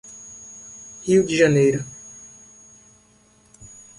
Rio de Janeiro